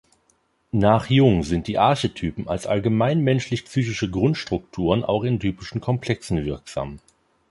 Nach Jung sind die Archetypen als allgemeinmenschlich-psychische Grundstrukturen auch in typischen Komplexen wirksam.